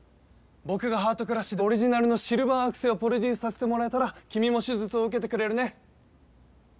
僕がハートクラッシュでオリジナルのシルバーアクセをプロデュースさせてもらえたら君も手術を受けてくれるね？